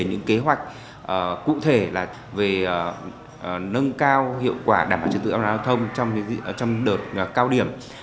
những kế hoạch cụ thể là về nâng cao hiệu quả đảm bảo chức tự áp đảo thông trong đợt cao điểm